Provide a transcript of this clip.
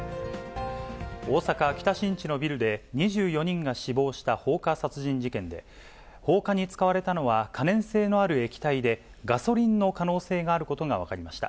大阪・北新地のビルで、２４人が死亡した放火殺人事件で、放火に使われたのは、可燃性のある液体で、ガソリンの可能性があることが分かりました。